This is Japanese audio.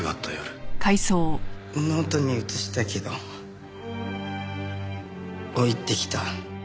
ノートに写したけど置いてきた。